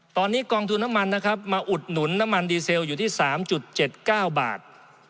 ตอนนี้กองทุนน้ำมันนะครับมาอุดหนุนน้ำมันดีเซลอยู่ที่๓๗๙บาท